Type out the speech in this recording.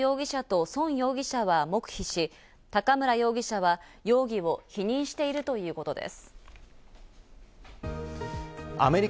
調べに対し、清水容疑者とソン容疑者は黙秘し、高村容疑者は容疑を否認しているということです。